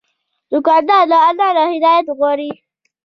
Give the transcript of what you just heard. دوکاندار له الله نه هدایت غواړي.